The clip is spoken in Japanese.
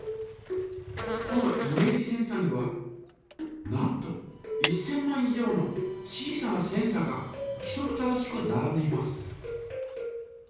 このイメージセンサにはなんと１，０００万以上の小さなセンサがきそく正しくならんでいます。